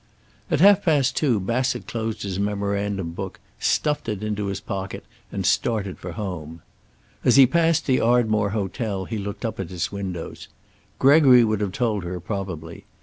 At half past two Bassett closed his memorandum book, stuffed it into his pocket, and started for home. As he passed the Ardmore Hotel he looked up at its windows. Gregory would have told her, probably.